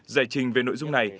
giải trình về nội dung này